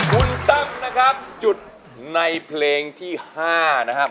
คุณตั้มนะครับหยุดในเพลงที่๕นะครับ